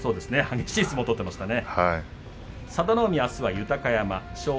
激しい相撲を取っていましたね。